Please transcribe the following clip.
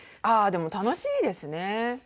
ああでも楽しいですね。